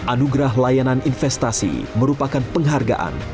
anugerah layanan investasi merupakan penghargaan